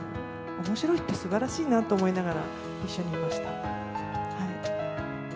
おもしろいってすばらしいなと思いながら一緒にいました。